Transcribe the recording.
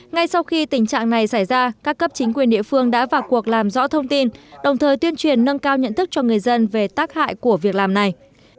ngay sau khi tình trạng này xảy ra các cấp chính quyền địa phương đã vào cuộc làm rõ thông tin đồng thời tuyên truyền nâng cao nhận thức cho người dân về tác hại của việc làm này